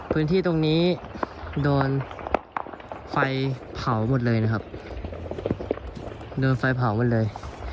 พื้นที่ตรงนี้โดนไฟเผาหมดเลยนะครับโดนไฟเผาหมดเลย